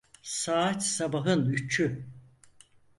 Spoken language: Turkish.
Saat sabahın üçü.